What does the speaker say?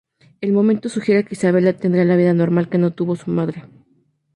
El momento sugiere que Isabelle tendrá la vida "normal" que no tuvo su madre.